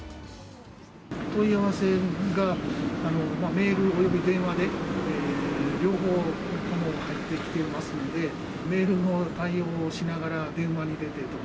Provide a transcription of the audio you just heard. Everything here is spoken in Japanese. お問い合わせが、メールおよび電話で両方とも入ってきてますので、メールの対応をしながら電話に出てと。